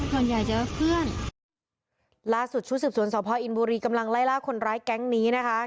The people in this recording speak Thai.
ส่วนใหญ่จะเพื่อนล่าสุดชุดสืบสวนสพอินบุรีกำลังไล่ล่าคนร้ายแก๊งนี้นะคะ